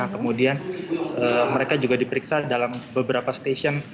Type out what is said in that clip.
kemudian mereka juga diperiksa dalam beberapa stasiun